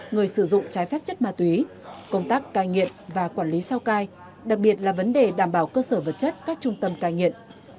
người sử dụng trái phép chất ma túy công tác cai nghiện và quản lý sao cai đặc biệt là vấn đề đảm bảo cơ sở vật chất các trung tâm cai nghiện